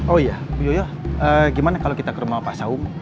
oh iya bu yoyo gimana kalau kita ke rumah pak saung